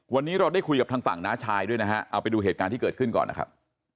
วันนี้เราได้คุยกับทางฝั่งน้าชายด้วยนะฮะเอาไปดูเหตุการณ์ที่เกิดขึ้นก่อนนะครับ